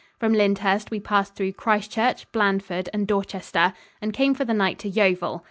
From Lyndhurst we passed through Christchurch, Blandford and Dorchester and came for the night to Yeovil.